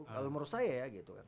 kalau menurut saya ya gitu kan